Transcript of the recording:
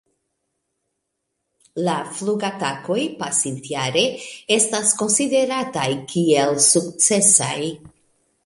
La flugatakoj pasintjare estas konsiderataj kiel sukcesaj.